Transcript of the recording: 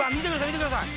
見てください